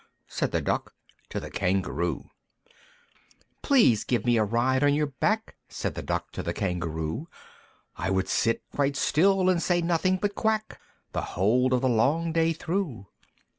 Said the Duck to the Kangaroo. II. "Please give me a ride on your back!" Said the Duck to the Kangaroo. "I would sit quite still, and say nothing but 'Quack,' The whole of the long day through!